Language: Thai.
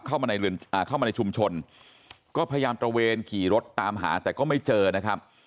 เข้ามาในชุมชนก็พยายามตระเวนขี่รถตามหาแต่ก็ไม่เจอนะครับ